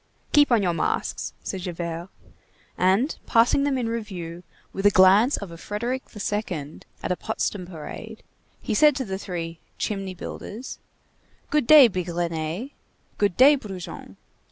"Keep on your masks," said Javert. And passing them in review with a glance of a Frederick II. at a Potsdam parade, he said to the three "chimney builders":— "Good day, Bigrenaille! good day, Brujon!